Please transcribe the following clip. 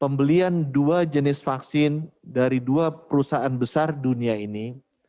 pembelian dua jenis vaksin dari dua perusahaan besar dunia ini